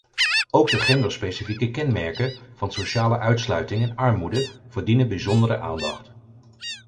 Ook de genderspecifieke kenmerken van sociale uitsluiting en armoede verdienen bijzondere aandacht.